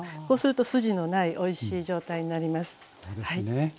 こうすると筋のないおいしい状態になります。